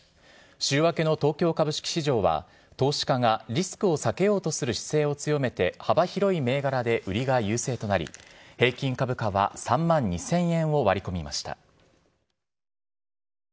週明けの東京株式市場は、投資家がリスクを避けようとする姿勢を強め平均株価は３万２０００円を割り込みました。